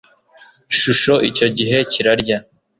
shusho icyo gihe kirarya